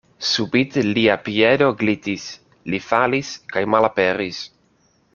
Subite lia piedo glitis; li falis kaj malaperis.